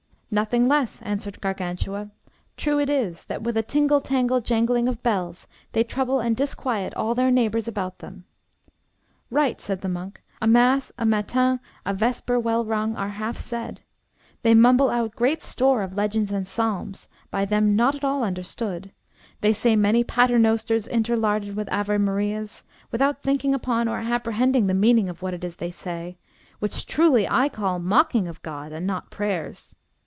Nothing less, answered Gargantua. True it is, that with a tingle tangle jangling of bells they trouble and disquiet all their neighbours about them. Right, said the monk; a mass, a matin, a vesper well rung, are half said. They mumble out great store of legends and psalms, by them not at all understood; they say many paternosters interlarded with Ave Maries, without thinking upon or apprehending the meaning of what it is they say, which truly I call mocking of God, and not prayers.